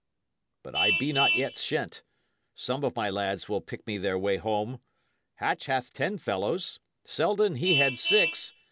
But I be not yet shent. Some of my lads will pick me their way home. Hatch hath ten fellows; Selden, he had six.